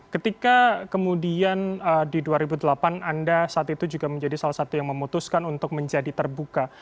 ketika kemudian di dua ribu delapan anda saat itu juga menjadi salah satu yang memutuskan untuk menjadi terbuka